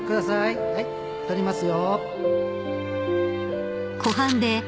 撮りますよ